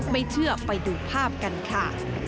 ไม่เชื่อไปดูภาพกันค่ะ